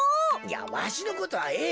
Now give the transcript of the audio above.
わしのことはええ。